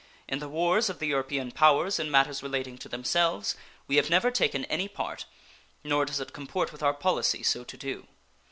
In the wars of the European powers in matters relating to themselves we have never taken any part, nor does it comport with our policy so to do.